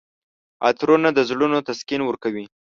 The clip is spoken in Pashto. عطرونه د زړونو تسکین ورکوي.